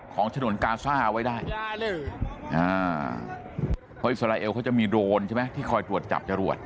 ฉนวนกาซ่าเอาไว้ได้เพราะอิสราเอลเขาจะมีโดรนใช่ไหมที่คอยตรวจจับจรวด